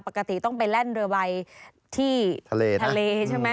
ปกติต้องไปแล่นเรือใบที่ทะเลใช่ไหม